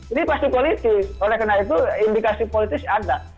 ini pasti politis oleh karena itu indikasi politis ada